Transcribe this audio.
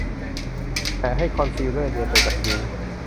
แตะให้คอนซีลเลอร์เนียนไปกับผิว